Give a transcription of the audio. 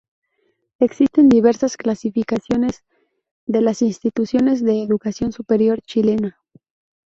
Existen diversas clasificaciones de las Instituciones de Educación Superior Chilena.